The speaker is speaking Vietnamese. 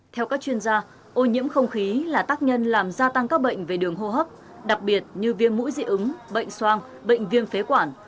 theo các chuyên gia ô nhiễm không khí là tác nhân làm gia tăng các bệnh về đường hô hấp đặc biệt như viêm mũi dị ứng bệnh soang bệnh viêm phế quản